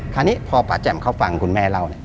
คราวนี้พอป่าแจ่มเขาฟังคุณแม่เล่าเนี่ย